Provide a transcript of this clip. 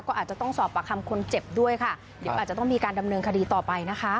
ก็อาจจะต้องสอบปากคำคนเจ็บด้วยค่ะเดี๋ยวอาจจะต้องมีการดำเนินคดีต่อไปนะคะ